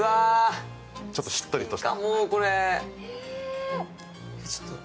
ちょっと、しっとりとした。